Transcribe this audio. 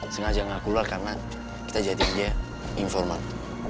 sengaja gak keluar karena kita jadikan dia informal